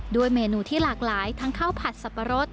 เมนูที่หลากหลายทั้งข้าวผัดสับปะรด